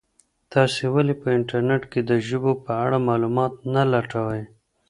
تاسي ولي په انټرنیټ کي د ژبو په اړه معلومات نه لټوئ؟